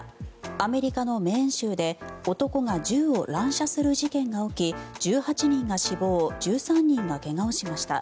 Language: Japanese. アメリカのメーン州で男が銃を乱射する事件が起きて１８人が死亡１３人が怪我をしました。